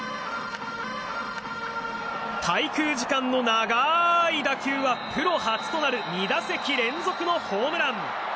滞空時間の長い打球はプロ初となる２打席連続のホームラン。